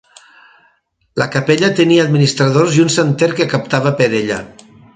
La capella tenia administradors i un santer que captava per ella.